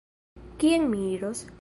Kien mi iros?